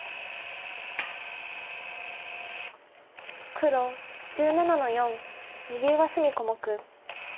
黒１７の四右上隅小目。